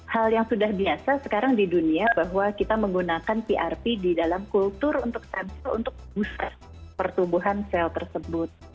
hal yang sudah biasa sekarang di dunia bahwa kita menggunakan prp di dalam kultur untuk stem cell untuk booster pertumbuhan sel tersebut